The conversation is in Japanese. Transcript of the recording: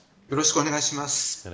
よろしくお願いします。